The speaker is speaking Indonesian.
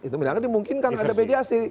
itu dimungkinkan ada mediasi